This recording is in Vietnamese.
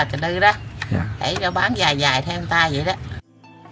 trà đư ra để cho bán dài dài theo người ta vậy đó